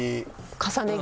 重ね着。